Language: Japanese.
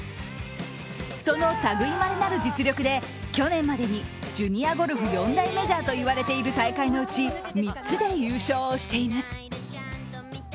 その類まれなる実力で去年までにジュニアゴルフ４大メジャーと言われている大会のうち３つで優勝をしています